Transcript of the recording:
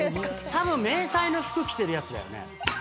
たぶん迷彩の服着てるやつだよね。